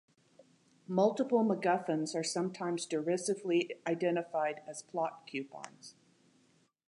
Multiple MacGuffins are sometimes derisively identified as plot coupons.